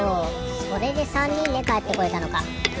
それで３にんでかえってこれたのか。